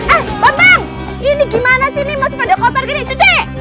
eh bambang ini gimana sih ini masih pada kotor gini cuci